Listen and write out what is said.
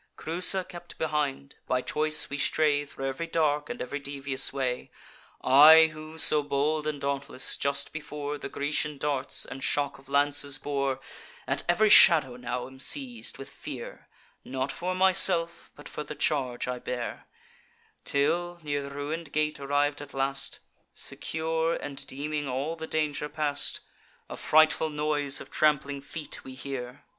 Creusa kept behind; by choice we stray Thro' ev'ry dark and ev'ry devious way. I, who so bold and dauntless just before, The Grecian darts and shock of lances bore, At ev'ry shadow now am seiz'd with fear, Not for myself, but for the charge I bear; Till, near the ruin'd gate arriv'd at last, Secure, and deeming all the danger past, A frightful noise of trampling feet we hear.